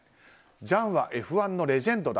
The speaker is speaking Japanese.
ジャンはＦ１のレジェンドだ。